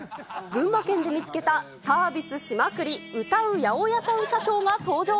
群馬県で見つけたサービスしまくり、歌う八百屋さん社長が登場。